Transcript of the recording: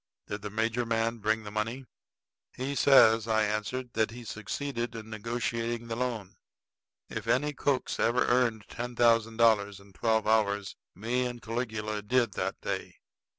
Did the major man bring the money?" "He says," I answered, "that he succeeded in negotiating the loan." If any cooks ever earned ten thousand dollars in twelve hours, me and Caligula did that day.